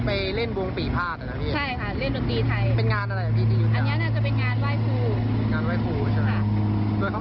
ไปเล่นวงปีภาษณ์เล่นดนตรีไทยเป็นงานอะไรอันนี้น่าจะเป็นงานว่ายครู